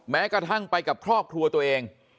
แม้กระทั่งไปกับครอบครัวตัวเอง